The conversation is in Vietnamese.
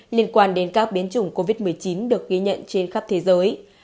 liên quan đến các biến chủng covid một mươi chín được ghi nhận trên khắp thế giới